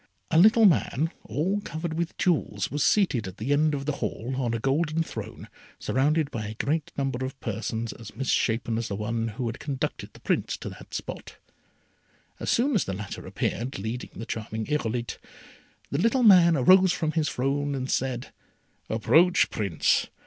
A little man all covered with jewels was seated at the end of the Hall on a golden throne surrounded by a great number of persons as misshapen as the one who had conducted the Prince to that spot. As soon as the latter appeared leading the charming Irolite, the little man rose from his throne and said, "Approach, Prince.